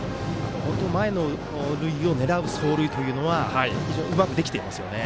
前の塁を狙う走塁というのは非常にうまくできていますよね。